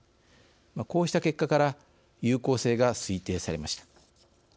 こうした結果から有効性が推定されました。